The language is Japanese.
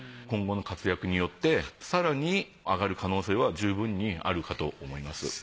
今後の活躍によって更に上がる可能性は十分にあるかと思います。